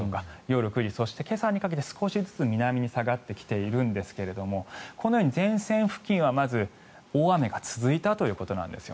夜９時、そして今朝にかけて少しずつ南に下がってきているんですがこのように前線付近はまず大雨が続いたということです。